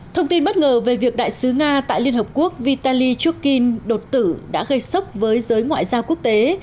thông tin bất ngờ về việc đại sứ nga tại liên hợp quốc vitaly chuckin đột tử đã gây sốc với giới ngoại giao quốc tế